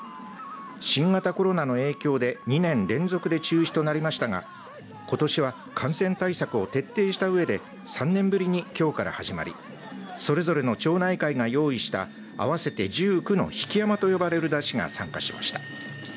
新型コロナの影響で２年連続で中止となりましたがことしは感染対策を徹底したうえで３年ぶりに、きょうから始まりそれぞれの町内会が用意したあわせて１９の曳山と呼ばれる山車が参加しました。